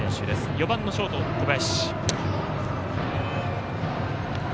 ４番のショート、小林。